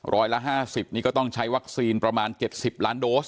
ร้อยละห้าสิบนี่ก็ต้องใช้วัคซีนประมาณเจ็ดสิบล้านโดส